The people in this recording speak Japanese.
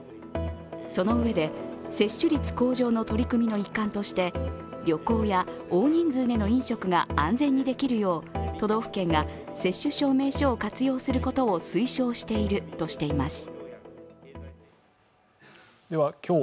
そのうえで、接種率向上の取り組みの一環として旅行や大人数での飲食が安全にできるよう都道府県が接種証明書を活用することを推奨するとしています。